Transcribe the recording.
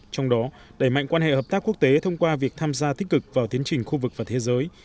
trong đó đẩy mạnh quan hệ hợp tác quốc tế thông qua việc tham gia tích cực vào tiến trình khu vực và thế giới